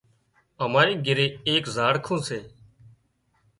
اماري گھري ايڪ زاڙکون سي